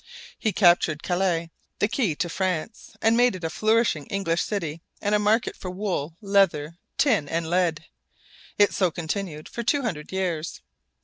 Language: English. He captured Calais, the key to France, and made it a flourishing English city and a market for wool, leather, tin, and lead. It so continued for two hundred years.